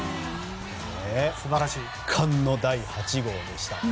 圧巻の第８号でした。